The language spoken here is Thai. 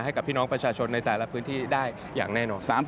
ให้กับพี่น้องประชาชนในแต่ละพื้นที่ได้อย่างแน่นอนซ้ำ